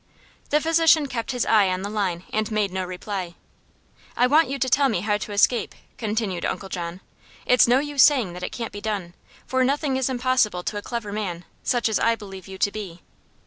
The physician kept his eye on the line and made no reply. "I want you to tell me how to escape," continued Uncle John. "It's no use saying that it can't be done, for nothing is impossible to a clever man, such as I believe you to be."